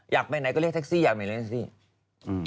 อยากไปไหนก็เรียกแท็กซี่อยากไปเล่นแท็กซี่